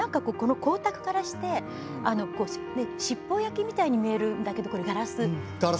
光沢からして七宝焼きみたいに見えるんだけどガラス？